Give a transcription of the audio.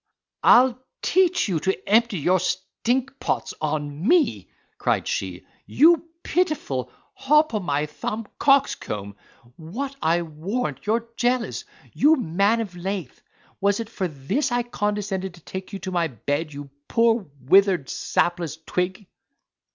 "I'll teach you to empty your stinkpots on me," cried she, "you pitiful hop o' my thumb coxcomb. What, I warrant you're jealous, you man of lath. Was it for this I condescended to take you to my bed, you poor, withered, sapless twig?"